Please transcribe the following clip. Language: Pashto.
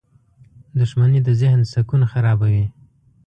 • دښمني د ذهن سکون خرابوي.